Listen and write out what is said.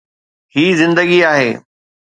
هي زندگي آهي.